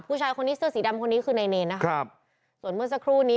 ผู้ชายคนนี้เสื้อสีดำคนนี้คือนายเนรนะครับส่วนเมื่อสักครู่นี้